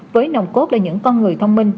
với nồng cốt là những con người thông minh